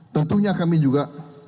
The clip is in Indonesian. tentunya kami juga